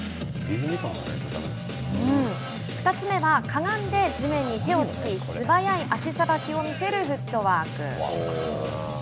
２つ目はかがんで地面に手をつき素早い足さばきを見せるフットワーク。